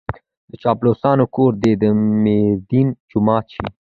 د چاپلوسانو کور دې د ميردين جومات شي.